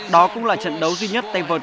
đó cũng là trận đấu duy nhất tay vượt